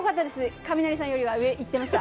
カミナリさんよりは上いってました。